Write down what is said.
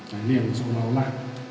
nah ini yang seolah olah